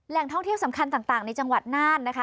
ท่องเที่ยวสำคัญต่างในจังหวัดน่านนะคะ